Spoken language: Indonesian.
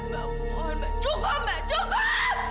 mbak tolong mbak cukup mbak cukup